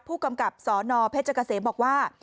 ผู้กำกับสนเพชรเกษมบอกว่า